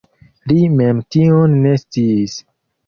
Li mem tion ne sciis.